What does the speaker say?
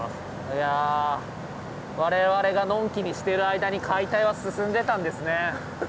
いや我々がのんきにしてる間に解体は進んでたんですね。